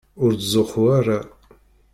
Ur ttzuxxu ara.